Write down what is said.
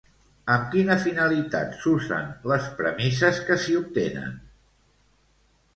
Amb quina finalitat s'usen les premisses que s'hi obtenen?